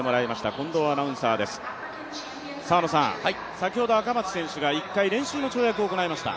先ほど赤松選手が１回、練習の跳躍を行いました。